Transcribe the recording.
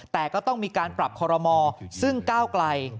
แต่ก็ต้องมีการปรับคอรมอซึ่งก้าวไกล